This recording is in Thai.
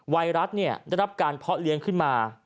ไวรัสได้รับการเพาะเลี้ยงขึ้นมา